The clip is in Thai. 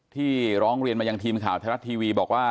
ร้องเรียนมายังทีมข่าวไทยรัฐทีวีบอกว่า